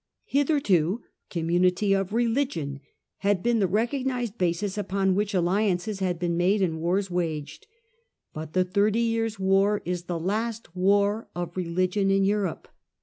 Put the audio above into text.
Hitherto community of religion had been the recog nised basis upon which alliances had been made and The new wars waged. But the Thirty Years' War is principle. the last war of religion in Europe.